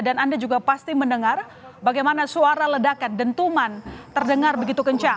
dan anda juga pasti mendengar bagaimana suara ledakan dentuman terdengar begitu kencang